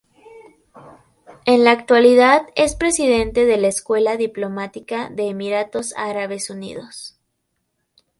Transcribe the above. En la actualidad es Presidente de la Escuela Diplomática de Emiratos Árabes Unidos.